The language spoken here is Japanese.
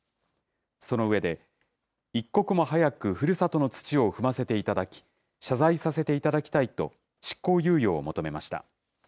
そのうえで、一刻も早くふるさとの土を踏ませていただき、謝罪させていただきたいと、執行猶予を求めました。